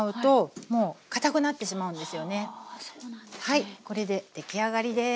はいこれで出来上がりです。